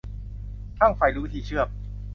ช่างไฟรู้วิธีเชื่อม